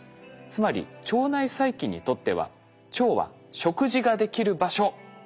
つまり腸内細菌にとっては腸は食事ができる場所というわけ。